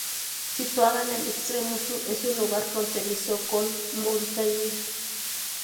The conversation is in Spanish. Situada en el extremo sur, es un lugar fronterizo con Mauritania.